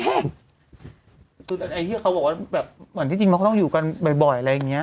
คือไอ้ที่เขาบอกว่าแบบเหมือนที่จริงมันก็ต้องอยู่กันบ่อยอะไรอย่างนี้